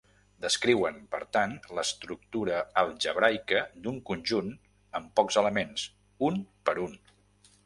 Descriuen, per tant, l'estructura algebraica d'un conjunt amb pocs elements, un per un.